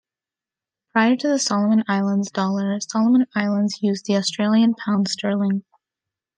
Prior to the Solomon Islands Dollar, Solomon Islands used the Australian pound sterling.